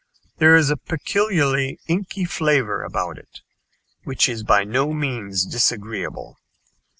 There is a peculiarly inky flavor about it, which is by no means disagreeable.